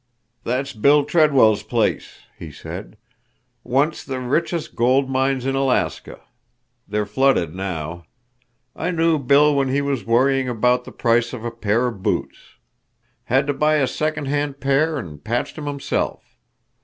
"That's Bill Treadwell's place," he said. "Once the richest gold mines in Alaska. They're flooded now. I knew Bill when he was worrying about the price of a pair of boots. Had to buy a second hand pair an' patched 'em himself.